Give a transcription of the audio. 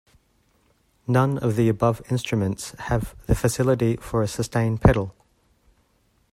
None of the above instruments have the facility for a sustain pedal.